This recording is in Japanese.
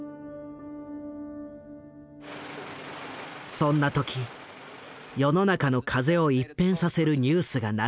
そんな時世の中の風を一変させるニュースが流れる。